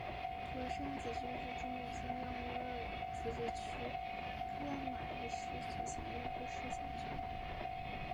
独山子区是中国新疆维吾尔自治区克拉玛依市所辖的一个市辖区。